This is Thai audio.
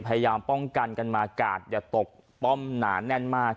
พยายามป้องกันกันมากาดอย่าตกป้อมหนาแน่นมาก